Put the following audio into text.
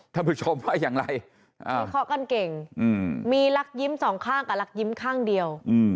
ถ้าผู้ชมว่าอย่างไรข้อกั้นเก่งมีลักยิ้ม๒ข้างกับลักยิ้มข้างเดียว